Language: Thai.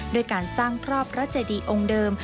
ด้วยการสร้างครอบพระเจดีองค์เดิม